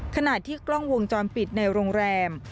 ขณะที่กล้องวงจรปิดในโรงแรม